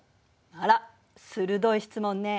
あら鋭い質問ね。